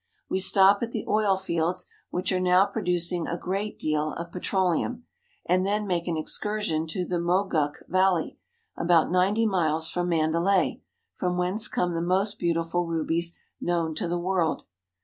We stop at the oil fields, which are now producing a great deal of petroleum, and then make an excursion to the Mogok Valley, about ninety miles from Mandalay, from whence come the most beautiful rubies known to the world.